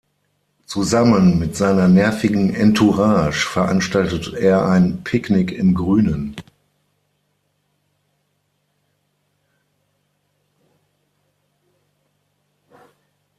Zusammen mit seiner nervigen Entourage veranstaltet er ein Picknick im Grünen.